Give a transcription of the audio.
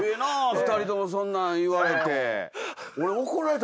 ２人ともそんなん言われて。